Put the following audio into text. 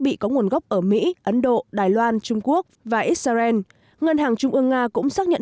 bị có nguồn gốc ở mỹ ấn độ đài loan trung quốc và israel ngân hàng trung ương nga cũng xác nhận